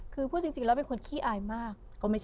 คือพูดจริงแล้วเป็นคนขี้อายมาก